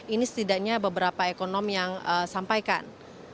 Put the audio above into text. ini setidaknya beberapa ekonom yang sampaikan